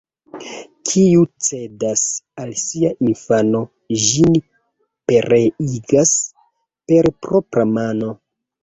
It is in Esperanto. Kiu cedas al sia infano, ĝin pereigas per propra mano.